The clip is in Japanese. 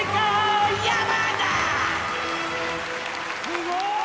すごい！